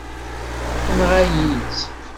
Tenɣa-yi-tt.